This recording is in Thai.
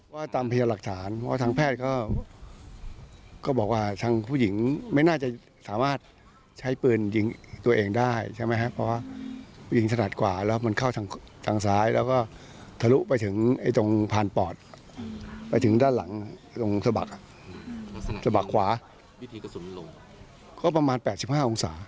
ว่าตามพยาหลักฐานเพราะว่าทางแพทย์ก็บอกว่าทางผู้หญิงไม่น่าจะสามารถใช้ปืนยิงตัวเองได้ใช่ไหมครับเพราะว่าผู้หญิงถนัดขวาแล้วมันเข้าทางซ้ายแล้วก็ทะลุไปถึงตรงพานปอดไปถึงด้านหลังตรงสะบักสะบักขวาวิธีกระสุนลงก็ประมาณ๘๕องศา